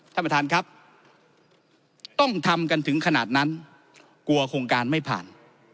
ท่านประธานครับต้องทำกันถึงขนาดนั้นกลัวโครงการไม่ผ่าน